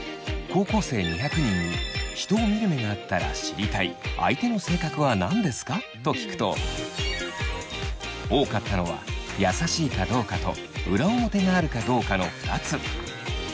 高校生２００人に人を見る目があったら知りたい相手の性格は何ですか？と聞くと多かったのは優しいかどうかと裏表があるかどうかの２つ。